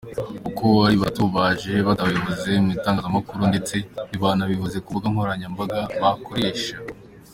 Uko ari batatu, baje batabivuze mu itangazamakuru ndetse ntibanabivuze ku mbuga nkoranyambaga bakoresha.